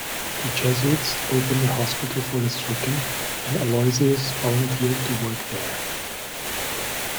The Jesuits opened a hospital for the stricken, and Aloysius volunteered to work there.